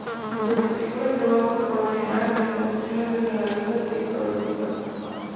Su arquitectura se basa, por lo general, en concepciones regionalistas e historicistas.